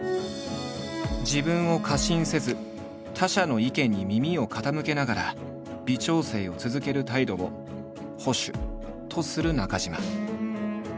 自分を過信せず他者の意見に耳を傾けながら微調整を続ける態度を「保守」とする中島。